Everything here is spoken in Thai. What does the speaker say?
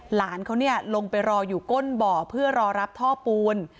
หลานเขาลงไปรออยู่ก้นบ่อเพื่อรอรับท่อปูน